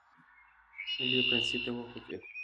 لی فرانسې ته وخوځېد.